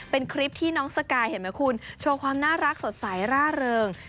เป็นคลิปที่น้องสกายเห็นไหมคุณโชว์ความน่ารักสดใสร่าเริง